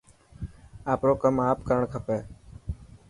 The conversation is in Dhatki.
آپرو ڪم آپ ڪرڻ کپي.